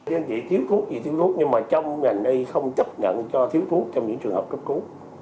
nên chỉ thiếu thuốc gì thiếu thuốc nhưng mà trong ngành này không chấp nhận cho thiếu thuốc trong những trường hợp cấp cứu